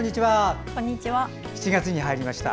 ７月に入りました。